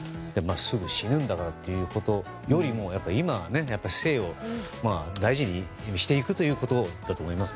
「すぐ死ぬんだから」ということより今、生を大事にしていくということだと思います。